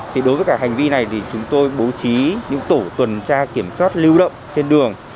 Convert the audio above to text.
thì đối với cả hành vi này thì chúng tôi bố trí những tổ tuần tra kiểm soát lưu động trên đường